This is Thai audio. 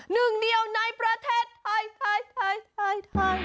หนึ่งเดียวในประเทศไทยไทยไทยไทย